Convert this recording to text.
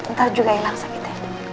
ntar juga hilang sakitnya